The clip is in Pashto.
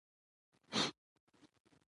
اوښ د افغانستان د سیلګرۍ یوه ښه برخه ده.